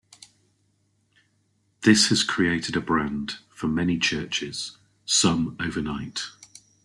This has created a brand for many churches, some overnight.